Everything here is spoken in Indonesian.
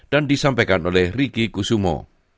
dan disampaikan oleh riki kusumo